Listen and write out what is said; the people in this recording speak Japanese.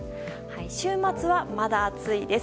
週末は、まだ暑いです。